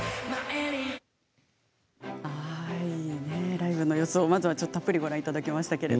ライブの様子をたっぷりご覧いただきました。